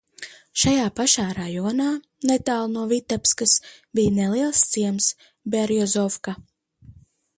Šajā pašā rajonā, netālu no Vitebkas, bija neliels ciems – Berjozovka.